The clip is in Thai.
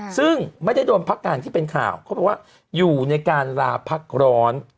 ซึ่งไม่ได้โดนพักการที่เป็นข่าวเขาบอกว่าอยู่ในการลาพักร้อน